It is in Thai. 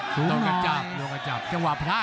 สูงหน่อย